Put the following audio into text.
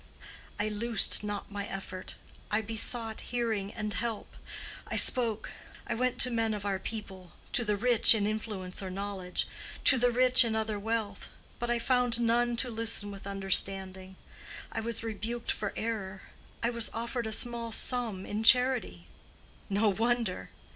I loosed not my effort. I besought hearing and help. I spoke; I went to men of our people—to the rich in influence or knowledge, to the rich in other wealth. But I found none to listen with understanding. I was rebuked for error; I was offered a small sum in charity. No wonder.